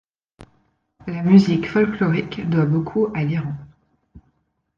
La musique folklorique doit beaucoup à l’Iran.